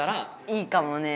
いいかもね。